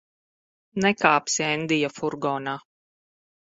Nekāpsi Endija furgonā.